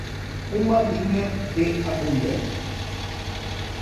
Uma linha de agulha